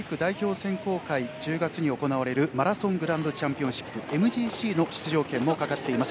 選考会１０月に行われるマラソングランドチャンピオンシップＭＧＣの出場権もかかっています。